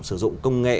sử dụng công nghệ